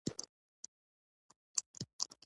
همدا اوس پرېشانۍ له ځان څخه لرې کړه.